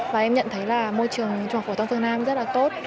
và em nhận thấy là môi trường trung học phổ thông phương nam rất là tốt